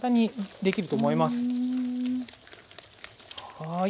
はい。